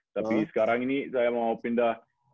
tapi sekarang ini saya mau pindah